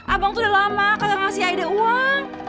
abang udah lama kagak ngasih aidah uang